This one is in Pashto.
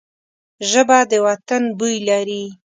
ژبه د وطن بوی لري